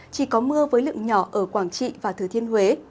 chỉ có mưa với lượng nhỏ ở quảng trị và thừa thiên huế